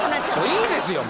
いいですよ